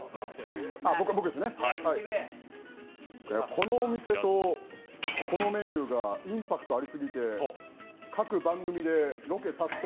このお店とこのメニューがインパクトありすぎて各番組でロケ殺到。